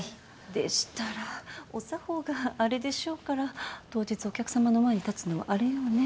でしたらお作法があれでしょうから当日お客さまの前に立つのはあれよねぇ？